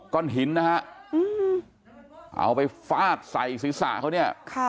ก้อนหินนะฮะเอาไปฟาดใส่ศีรษะเขาเนี่ย